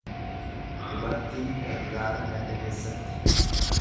Dubartiin gargaara ganda keessatti.